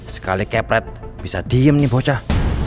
sekali kepret bisa diem nih bocah